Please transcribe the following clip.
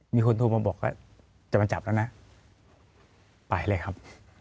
มีคนโทรมาบอกว่าจะมาจับแล้วนะไปเลยครับ